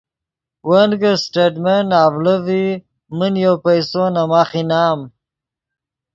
ون کہ سٹیٹمنٹ اڤڑے ڤی من یو پیسو نے ماخ انعام